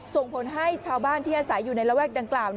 ส่งผลให้ชาวบ้านที่อาศัยอยู่ในระแวกดังกล่าว